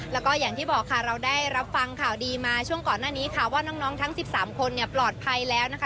แล้วก็อย่างที่บอกค่ะเราได้รับฟังข่าวดีมาช่วงก่อนหน้านี้ค่ะว่าน้องทั้ง๑๓คนเนี่ยปลอดภัยแล้วนะคะ